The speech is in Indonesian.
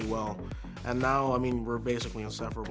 dan sekarang saya ingin mengatakan kita adalah sebuah berbeda